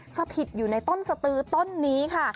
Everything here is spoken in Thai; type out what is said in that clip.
สถิตอยู่ในต้นสตือต้นนี้ค่ะ